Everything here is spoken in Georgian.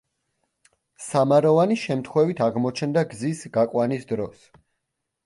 სამაროვანი შემთხვევით აღმოჩნდა გზის გაყვანის დროს.